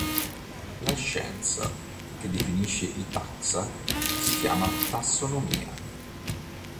La scienza che definisce i taxa si chiama tassonomia.